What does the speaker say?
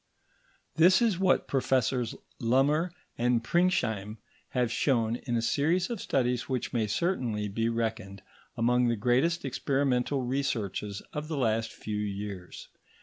This is what Professors Lummer and Pringsheim have shown in a series of studies which may certainly be reckoned among the greatest experimental researches of the last few years.